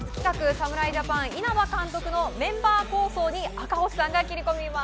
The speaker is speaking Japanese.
侍ジャパン、稲葉監督のメンバー構想に赤星さんが切り込みます。